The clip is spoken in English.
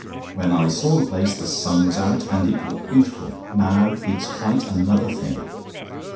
When I saw the place the sun was out, and it looked beautiful now, it's quite another thing.